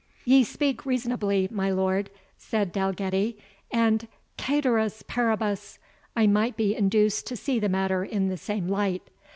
"Ye speak reasonably, my lord," said Dalgetty, "and, CAETERIS PARIBUS, I might be induced to see the matter in the same light.